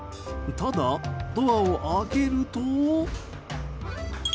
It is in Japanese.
ただ、ドアを開けると。